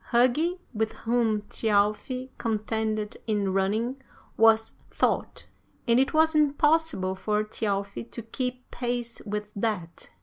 Hugi, with whom Thjalfi contended in running, was Thought, and it was impossible for Thjalfi to keep pace with that.